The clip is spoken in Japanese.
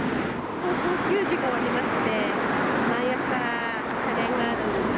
高校球児がおりまして、毎朝、朝練があるので。